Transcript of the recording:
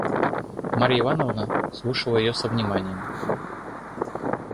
Марья Ивановна слушала ее со вниманием.